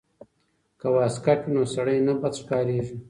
که واسکټ وي نو سړی نه بد ښکاریږي.